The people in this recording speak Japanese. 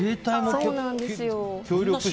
そうなんです。